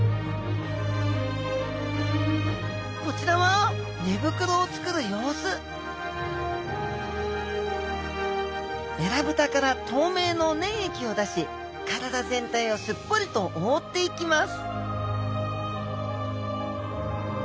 こちらはえらぶたから透明の粘液を出し体全体をすっぽりと覆っていきます